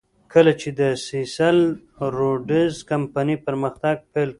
کله چې د سیسل روډز کمپنۍ پرمختګ پیل کړ.